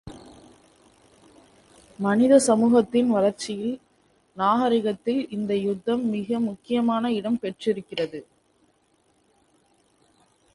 மனித சமூகத்தின் வளர்ச்சியில் நாகரிகத்தில் இந்த யுத்தம் மிகமுக்கியமான இடம் பெற்றிருக்கிறது.